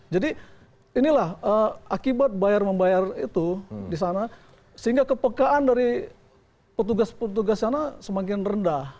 jadi inilah akibat bayar membayar itu di sana sehingga kepekaan dari petugas petugas sana semakin rendah